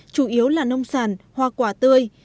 chủ yếu là nông sản hoa quả tươi